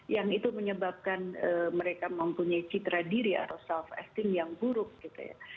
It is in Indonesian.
yang itu menyebabkan mereka mempunyai citra diri atau self esteem yang buruk gitu ya